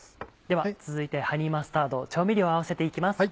では続いてハニーマスタード調味料を合わせて行きます。